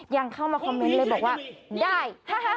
ยังเข้ามาคอมเมนต์เลยบอกว่าได้